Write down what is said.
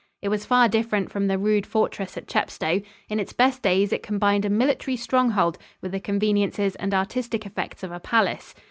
It was far different from the rude fortress at Chepstow. In its best days it combined a military stronghold with the conveniences and artistic effects of a palace.